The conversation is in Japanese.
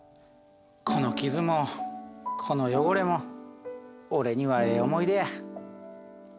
この傷もこの汚れも俺にはええ思い出や。